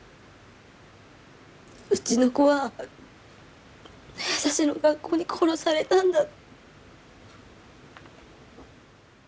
うちの子は江差の学校に殺されたんだ。